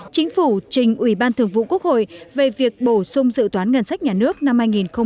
chính phủ trình ủy ban thường vụ quốc hội về việc bổ sung dự toán ngân sách nhà nước năm hai nghìn một mươi chín